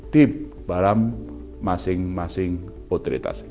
di dalam masing masing otoritas